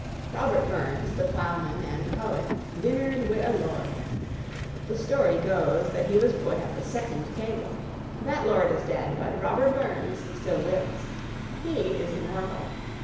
Robert Burns, the plowman and poet, "dinnered wi' a lord." The story goes that he was put at the second table. That lord is dead, but Robert Burns still lives. He is immortal.